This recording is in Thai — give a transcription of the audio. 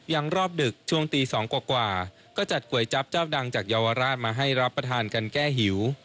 รอบดึกช่วงตี๒กว่าก็จัดก๋วยจั๊บเจ้าดังจากเยาวราชมาให้รับประทานกันแก้หิว